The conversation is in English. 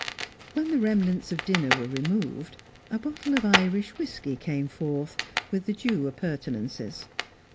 When the remnants of dinner were removed, a bottle of Irish whisky came forth, with the due appurtenances.